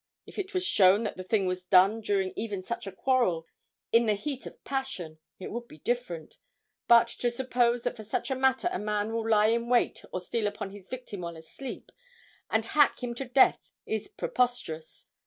If it was shown that the thing was done during even such a quarrel, in the heat of passion, it would be different; but to suppose that for such a matter a man will lie in wait or steal upon his victim while asleep and hack him to death is preposterous.